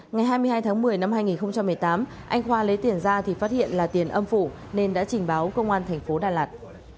ngày hai mươi hai tháng một mươi năm hai nghìn một mươi tám anh khoa lấy tiền ra thì phát hiện là tiền âm phủ nên đã trình báo công an thành phố đà lạt